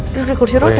duduk di kursi roda